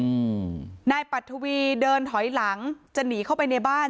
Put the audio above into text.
อืมนายปัททวีเดินถอยหลังจะหนีเข้าไปในบ้าน